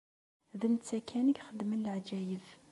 D netta kan i ixeddmen leɛǧayeb!